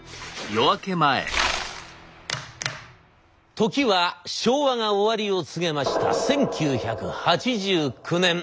時は昭和が終わりを告げました１９８９年。